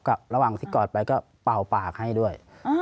ก็ระหว่างที่กอดไปก็เป่าปากให้ด้วย